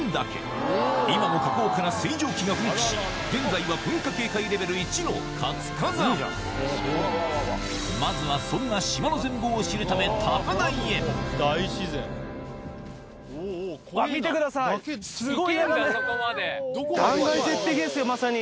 今も火口から水蒸気が噴気し現在は噴火警戒レベル１の活火山まずはそんな島の全貌を知るため見てください！ですよまさに。